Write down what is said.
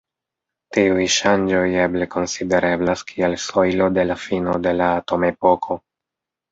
Tiuj ŝanĝoj eble konsidereblas kiel sojlo de la fino de la atomepoko.